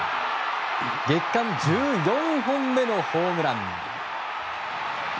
月間１４本目のホームラン。